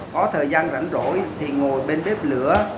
có thời gian rảnh rỗi thì ngồi bên bếp lửa